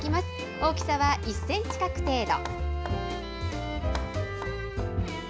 大きさは１センチ角程度。